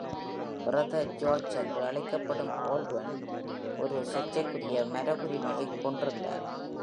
"Brother George" என்று அழைக்கப்படும் Odlum ஒரு சர்ச்சைக்குரிய மரபுரிமையைக் கொண்டிருந்தார்.